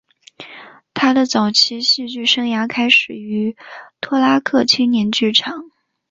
他的早期戏剧生涯开始于托拉克青年剧场。